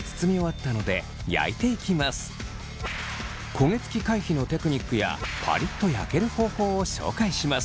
焦げつき回避のテクニックやパリッと焼ける方法を紹介します。